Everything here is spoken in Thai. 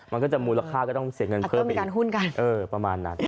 มันก็จะมูลค่าก็ต้องเสียเงินเพิ่มอีกประมาณนั้น